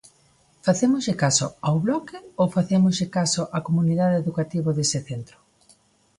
¿Facémoslle caso ao Bloque ou facémoslle caso á comunidade educativa dese centro?